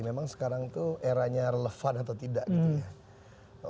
memang sekarang itu eranya relevan atau tidak gitu ya